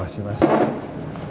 ini kursi bapaknya tadi